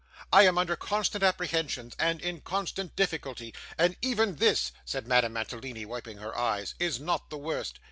I am under constant apprehensions, and in constant difficulty. And even this,' said Madame Mantalini, wiping her eyes, 'is not the worst.